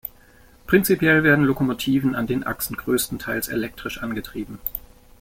Prinzipiell werden Lokomotiven an den Achsen größtenteils elektrisch angetrieben.